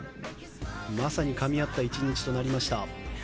まさにかみ合った１日となりました。